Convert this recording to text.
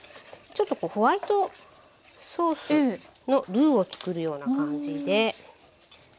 ちょっとホワイトソースのルーを作るような感じで。